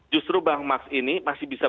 justru bank max ini masih bisa